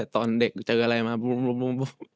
ตอนเด็กเจออะไรมาปุ๊บปุ๊บปุ๊บ